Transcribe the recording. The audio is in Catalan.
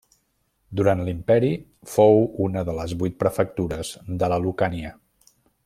Durant l'imperi, fou una de les vuit prefectures de la Lucània.